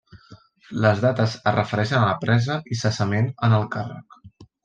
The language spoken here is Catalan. Les dates es refereixen a la presa i cessament en el càrrec.